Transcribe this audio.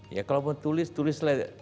ya kalau mau tulis tulislah